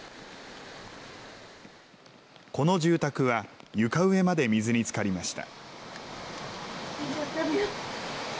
この住宅は、床上まで水につかりました。